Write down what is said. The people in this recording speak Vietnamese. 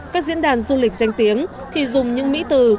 các diễn đàn du lịch danh tiếng thì dùng những mỹ từ